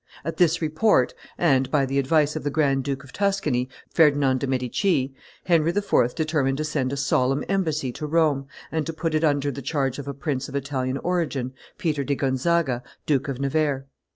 At this report, and by the advice of the Grand Duke of Tuscany, Ferdinand de' Medici, Henry IV. determined to send a solemn embassy to Rome, and to put it under the charge of a prince of Italian origin, Peter di Gonzaga, Duke of Nevers.